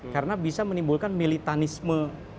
karena bisa menimbulkan militanisme